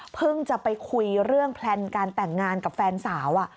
จะไปคุยเรื่องแพลนการแต่งงานกับแฟนสาว